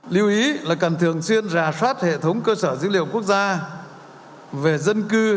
lưu ý là cần thường xuyên rà soát hệ thống cơ sở dữ liệu quốc gia về dân cư